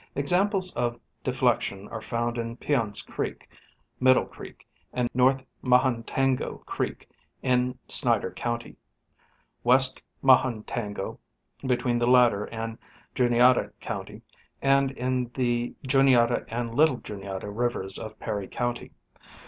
Examples of deflection are found in Peon's creek. Middle creek and North Mahantango creek in Snyder county ; West Mahantango between the latter and Juniata county ; and in the Juniata and Little Juniata rivers of Perry county.